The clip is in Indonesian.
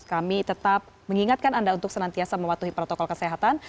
kami tetap mengingatkan anda untuk senantiasa mematuhi protokol kesehatan